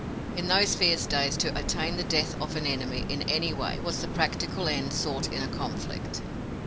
In those fierce days to attain the death of an enemy, in any way, was the practical end sought in a conflict.